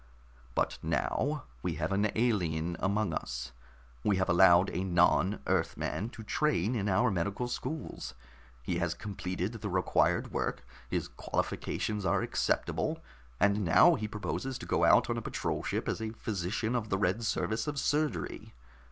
_ But now we have an alien among us. We have allowed a non Earthman to train in our medical schools. He has completed the required work, his qualifications are acceptable, and now he proposes to go out on a patrol ship as a physician of the Red Service of Surgery.